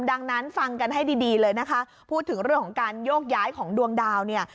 ดังนั้นฟังกันให้ดีดีเลยนะคะพูดถึงเรื่องของการโยกย้ายของดวงดาวเนี่ย